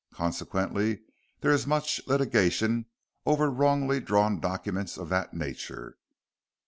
Consequently, there is much litigation over wrongly drawn documents of that nature."